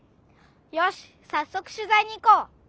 よしさっそく取ざいに行こう！